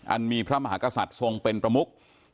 มีพระมหากษัตริย์ทรงเป็นประมุก